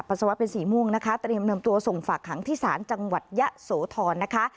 สาวะเป็นสีม่วงนะคะเตรียมนำตัวส่งฝากขังที่ศาลจังหวัดยะโสธรนะคะ